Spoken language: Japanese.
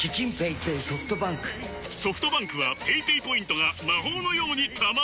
ソフトバンクはペイペイポイントが魔法のように貯まる！